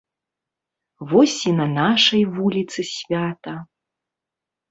Вось і на нашай вуліцы свята.